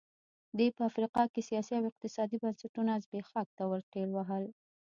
دې په افریقا کې سیاسي او اقتصادي بنسټونه زبېښاک ته ورټېل وهل.